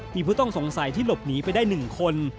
มีผู้ต้องสงสัยที่หลบหนีไปได้๑คน